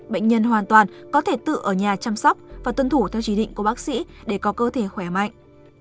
bệnh nhân hoàn toàn có thể tự ở nhà chăm sóc và tuân thủ theo chỉ định của bác sĩ để có cơ thể khỏe mạnh